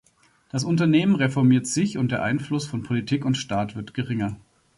Das Unternehmen reformiert sich und der Einfluss von Politik und Staat wird geringer.